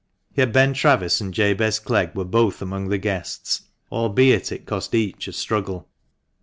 Yet Ben Travis and Jabez Clegg were both among the guests, albeit it cost each a struggle.